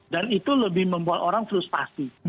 dan itu lebih membuat orang frustasi